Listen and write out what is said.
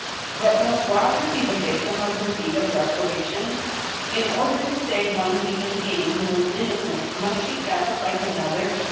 But must Roger be the victim of her deed of reparation ? In order to save one human being, who was innocent, must she sacri fice another